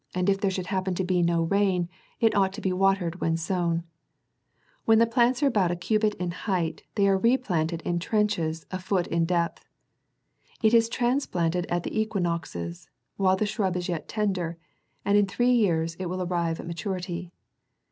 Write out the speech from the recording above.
209 there should happen to be no rain, it ought to be watered when sown : when the plants are about a cubit in height, they are replanted in trenches a foot in depth. It is trans planted at the equinoxes, while the shrub is yet tender, and in three years it will arrive at maturity.